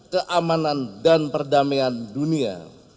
keamanan dan perdamaian dunia